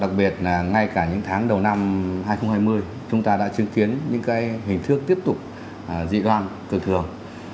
đặc biệt là ngay cả những tháng đầu năm hai nghìn hai mươi chúng ta đã chứng kiến những hình thức tiếp tục dị đoan cờ thường